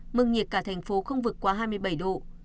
mức nhiệt cả thành phố không vượt qua hai mươi bảy độ